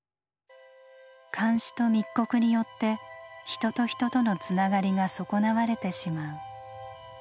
監視と密告によって人と人とのつながりが損なわれてしまう。